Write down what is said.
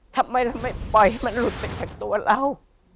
ทำไมเราไม่ปล่อยให้มันหลุดไปจากตัวเรา